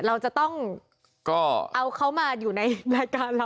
เราจะต้องเอาเขามาอยู่ในรายการเรา